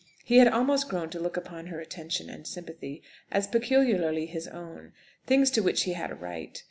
He had almost grown to look upon her attention and sympathy as peculiarly his own things to which he had a right.